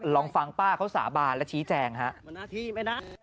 ลองฟังป้าเขาสาบานและชี้แจงครับ